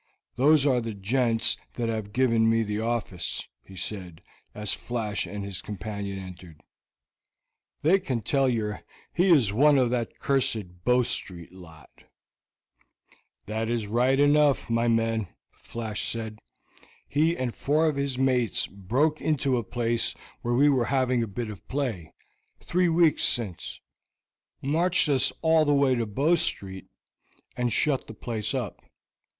"Those are the gents that have given me the office," he said, as Flash and his companion entered. "They can tell yer he is one of that cursed Bow Street lot." "That is right enough, my men," Flash said. "He and four of his mates broke into a place where we were having a bit of play, three weeks since, marched us all away to Bow Street, and shut the place up.